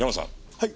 はい。